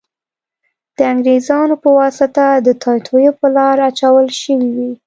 د انګریزانو په واسطه د توطیو په لار اچول شوې وې.